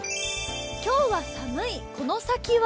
今日は寒い、この先は？